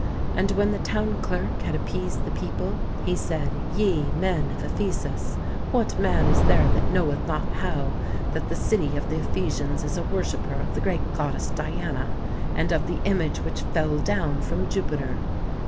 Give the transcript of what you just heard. ... And when the town clerk had appeased the people, he said, Ye men of Ephesus, what man is there that knoweth not how that the city of the Ephesians is a worshipper of the great goddess Diana, and of the image which fell down from Jupiter?